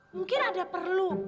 mungkin ada perlu